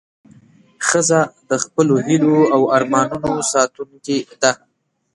ښځه د خپلو هیلو او ارمانونو ساتونکې ده.